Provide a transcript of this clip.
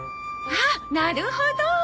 ああなるほど！